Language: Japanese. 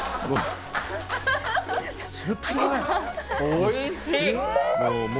おいしい。